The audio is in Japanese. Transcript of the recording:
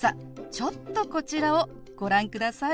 ちょっとこちらをご覧ください。